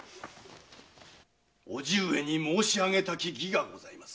伯父上に申し上げたき儀がございます。